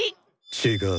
違う。